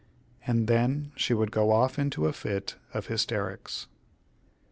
And then she would go off into a fit of hysterics.